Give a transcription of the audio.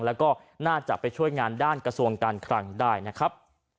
แล้วก็น่าจะไปช่วยงานด้านกระทรวงการคลังได้นะครับ